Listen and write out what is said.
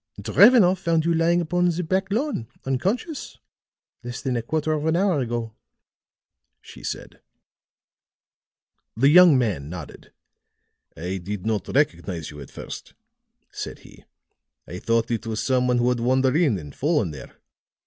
"Drevenoff found you lying upon the back lawn, unconscious, less than a quarter of an hour ago," she said. The young man nodded. "I did not recognize you at first," said he; "I thought it was some one who had wandered in and fallen there.